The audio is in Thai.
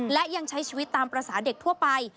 และยังใช้ชีวิตตามภาษาเด็กทั่วไป